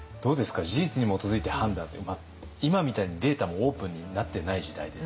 事実に基づいて判断って今みたいにデータもオープンになってない時代ですよ。